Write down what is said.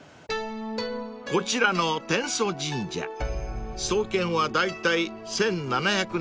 ［こちらの天祖神社創建はだいたい１７００年ごろ］